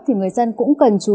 thì người dân cũng cần chú ý